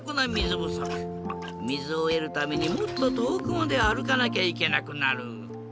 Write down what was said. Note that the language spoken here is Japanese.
みずをえるためにもっととおくまであるかなきゃいけなくなる。